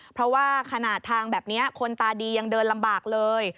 เพราะว่าขนาดทางแบบนี้คนตาดียังเดินลำบากเลย